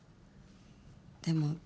でも